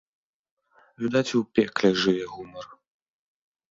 Відаць, і ў пекле жыве гумар.